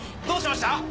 どうしました？